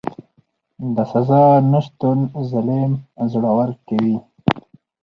د سزا نشتون ظالم زړور کوي.